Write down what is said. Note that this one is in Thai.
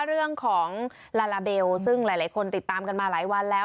เรื่องของลาลาเบลซึ่งหลายคนติดตามกันมาหลายวันแล้ว